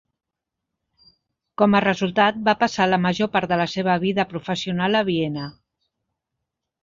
Com a resultat, va passar la major part de la seva vida professional a Viena.